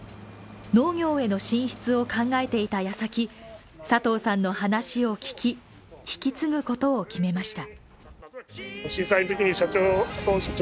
農業への進出を考えていた矢先佐藤さんの話を聞き、引き継ぐことを決めました。